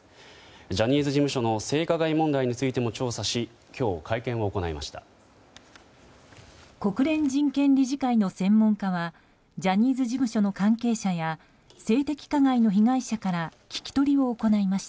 ジャニーズ事務所の性加害問題についても調査し今日会見を行いました。